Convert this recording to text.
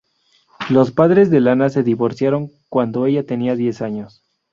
Los padres de Lana se divorciaron cuanto ella tenía diez años.